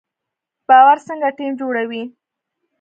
باور څنګه ټیم جوړوي؟